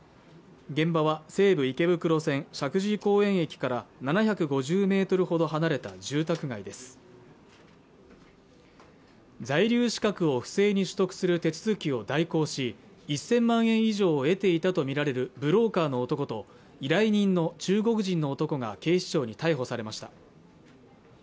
現場は西武池袋線石神井公園駅から７５０メートルほど離れた住宅街です在留資格を不正に取得する手続きを代行し１０００万円以上を得ていたと見られるブローカーの男と依頼人の中国人の男が警視庁に逮捕されました